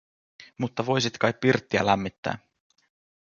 Mutta voisi kai pirttiä lämmittää?